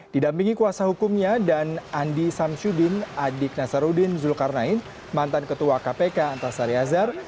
didampingi kuasa hukumnya dan andi samsudin adik nasaruddin zulkarnain mantan ketua kpk antasari azhar